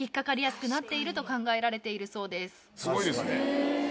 すごいですね。